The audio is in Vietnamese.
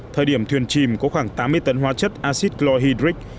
thời điểm thuyền chìm có khoảng tám mươi tấn hóa chất acid glohydric